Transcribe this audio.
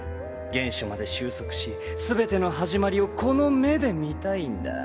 原初まで収束し全ての始まりをこの目で見たいんだ。